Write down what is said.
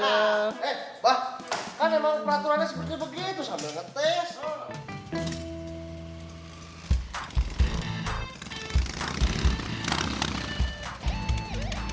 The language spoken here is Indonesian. eh bah kan emang peraturannya seperti begitu sambil ngetes